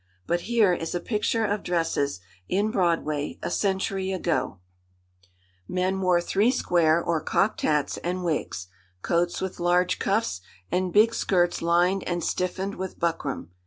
But here is a picture of dresses in Broadway a century ago:— "Men wore three square, or cocked hats, and wigs; coats with large cuffs, and big skirts lined and stiffened with buckram.